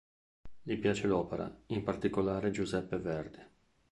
Gli piace l'opera, in particolare Giuseppe Verdi.